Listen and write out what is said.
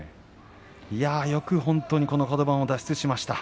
よく本当にこのカド番を脱出しました。